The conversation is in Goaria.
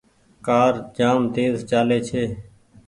ڪآر جآم تيز چآلي ڇي۔